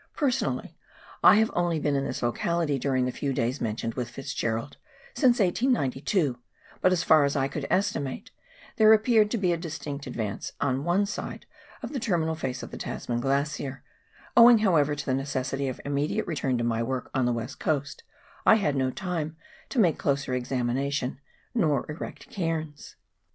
Personally I have only been in this locality during the few days mentioned with FitzGerald, since 1892, but, as far as I could estimate, there appeared to be a distinct advance on one side of the terminal face of the Tasman Glacier ; owing, however, to the necessity of immediate return to my work on the West Coast, I had no time to make closer exami nation nor erect cairns.